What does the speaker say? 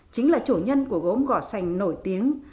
chính là chủ nhân của gốm gò sành nổi tiếng